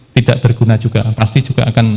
tidak berguna juga pasti juga akan